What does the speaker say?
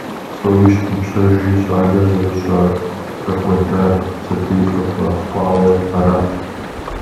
Псори щыгъупщэжри, щӏалэр зэрыӏэщӏэкӏуэдар сэтей къыфӏэхъуауэ арат.